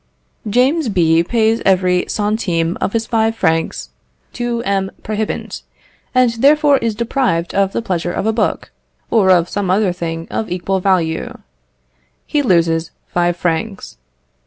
James B. pays every centime of his five francs to M. Prohibant, and therefore is deprived of the pleasure of a book, or of some other thing of equal value. He loses five francs.